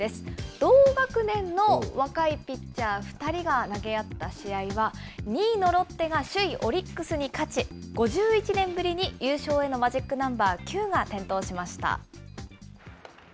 同学年の若いピッチャー２人が投げ合った試合は、２位のロッテが首位オリックスに勝ち、５１年ぶりに優勝へのマジックナンバー９が点灯しました。